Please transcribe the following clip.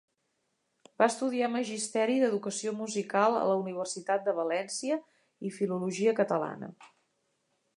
Va estudiar Magisteri d’Educació Musical a la Universitat de València i Filologia Catalana.